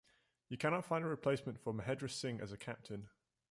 You can not find a replacement for Mahendra Singh as a captain.